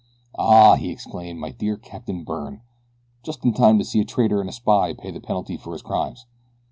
"Ah!" he exclaimed, "my dear Captain Byrne. Just in time to see a traitor and a spy pay the penalty for his crimes."